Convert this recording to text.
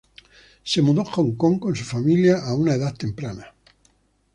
Se mudó a Hong Kong con su familia a una edad temprana.